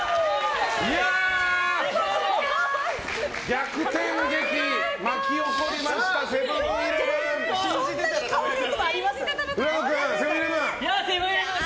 逆転劇、巻き起こりました！セブン‐イレブン！